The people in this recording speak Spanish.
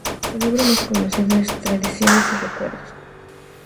Su libro más conocido es "Tradiciones y recuerdos.